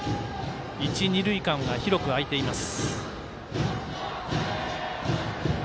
一、二塁間が広く空いています。